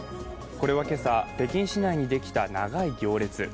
これは今朝、北京市内にできた長い行列。